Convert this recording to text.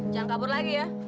jangan kabur lagi ya